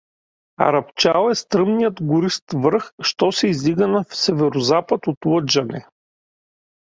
Арапчал е стръмният горист върх, що се издига на северо-запад от Лъджане.